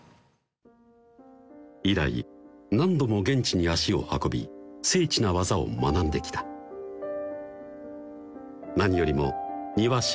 以来何度も現地に足を運び精緻な技を学んできた何よりも庭師